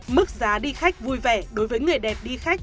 mức giá đi khách vui vẻ đối với người đẹp đi khách